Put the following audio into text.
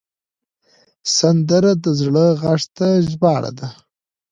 سندره د زړه غږ ته ژباړه ده